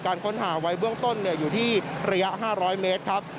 ค้นหาไว้เบื้องต้นอยู่ที่ระยะ๕๐๐เมตรครับ